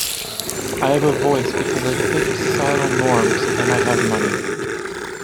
I have a voice because I fit societal norms and I have money.